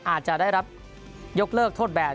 อาจจะได้รับยกเลิกโทษแบบ